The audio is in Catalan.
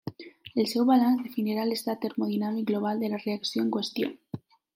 El seu balanç definirà l'estat Termodinàmic global de la reacció en qüestió.